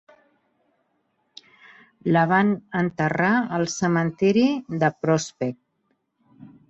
La van enterrar al cementiri de Prospect.